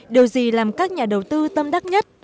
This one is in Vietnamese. điều gì làm các nhà đầu tư tâm đắc nhất